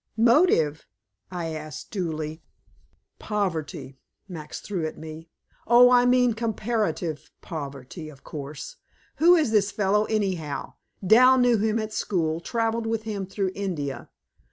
"Motive?" I asked dully. "Poverty," Max threw at me. "Oh, I mean comparative poverty, of course. Who is this fellow, anyhow? Dal knew him at school, traveled with him through India.